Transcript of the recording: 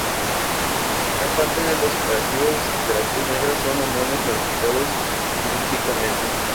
Gran parte de los operativos de la Cruz Negra son humanos modificados quirúrgicamente.